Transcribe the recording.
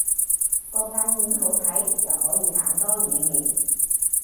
個介面好睇，又可以揀多語言